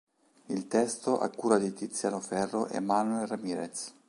Il testo a cura di Tiziano Ferro e Manuel Ramirez.